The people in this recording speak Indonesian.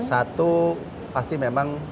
satu pasti memang